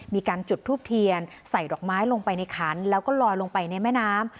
มีการจุดทูบเทียนใส่ดอกไม้ลงไปในขันแล้วก็ลอยลงไปในแม่น้ำ